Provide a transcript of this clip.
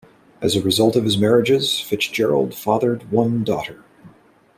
As a result of his marriages, Fitzgerald fathered one daughter.